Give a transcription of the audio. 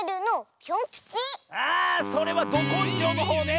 あそれはどこんじょうのほうね！